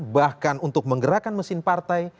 bahkan untuk menggerakkan mesin partai